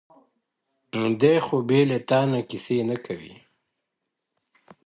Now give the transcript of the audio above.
دى خو بېله تانه كيسې نه كوي”